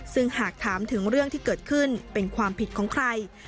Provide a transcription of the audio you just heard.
ซึ่งหากถามถึงเรื่องที่เกิดขึ้นเป็นความผิดของใคร